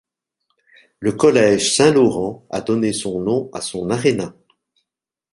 Le Collège Saint-Laurent a donné son nom à son aréna.